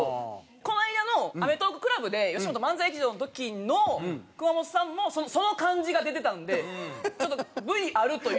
この間のアメトーークＣＬＵＢでよしもと漫才劇場の時の熊元さんもその感じが出てたんでちょっとＶあるという。